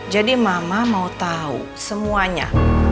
jadi mama mau tahu semuanya